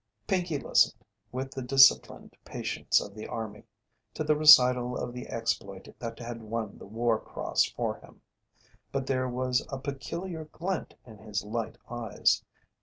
Pinkey listened, with the disciplined patience of the army, to the recital of the exploit that had won the War Cross for him, but there was a peculiar glint in his light eyes.